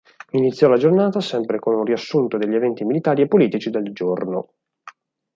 Iniziò la giornata sempre con un riassunto degli eventi militari e politici del giorno.